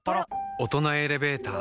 大人エレベーター